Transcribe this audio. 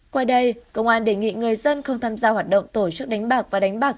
qua đây công an đề nghị người dân không tham gia hoạt động tổ chức đánh bạc và đánh bạc